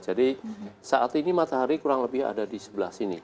jadi saat ini matahari kurang lebih ada di sebelah sini